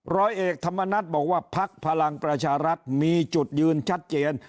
ร้อยเอกธรรมนัฏบอกว่าพักพลังประชารัฐมีจุดยืนชัดเจน